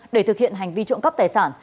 để thực hiện hành vi trộm cắp tài sản